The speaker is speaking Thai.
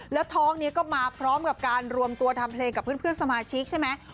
แล้วท้องนี้ก็มาพร้อมกับการรวมตัวทำเพลงกับเพื่อนสมาชิกใช่ไหม